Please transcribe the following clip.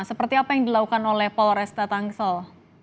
seperti apa yang dilakukan oleh polresta tangsel